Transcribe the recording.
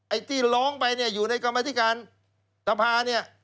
ไอ้ที่ร้องไปเนี่ยอยู่ในกรรมธิการสภาเนี่ย